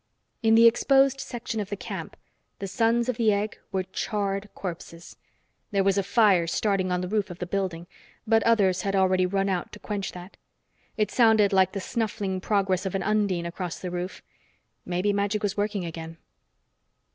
In the exposed section of the camp, the Sons of the Egg were charred corpses. There was a fire starting on the roof of the building, but others had already run out to quench that. It sounded like the snuffling progress of an undine across the roof! Maybe magic was working again.